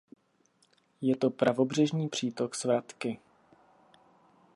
Je to pravobřežní přítok Svratky.